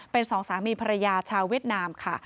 เป็นสองสามีภรรยาชาวเวียดนามค่ะ